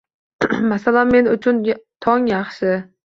Masalan men uchun tong yaxshi.